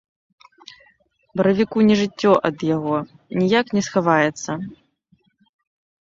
Баравіку не жыццё ад яго, ніяк не схаваецца.